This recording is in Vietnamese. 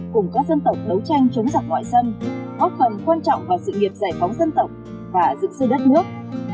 cùng các dân tộc đấu tranh chống giặc ngoại dân góp phần quan trọng vào sự nghiệp giải phóng dân tộc và giữ sư đất nước